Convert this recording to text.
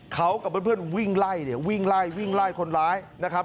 เขากับเพื่อนวิ่งไล่เนี่ยวิ่งไล่วิ่งไล่คนร้ายนะครับ